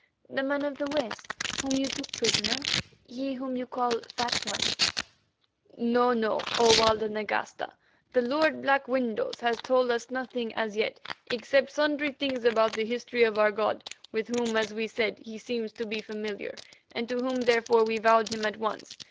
"The man of the West whom you took prisoner—he whom you call Fat One?" "No, no, O Walda Nagasta, the lord Black Windows has told us nothing as yet, except sundry things about the history of our god, with whom, as we said, he seems to be familiar, and to whom, therefore, we vowed him at once.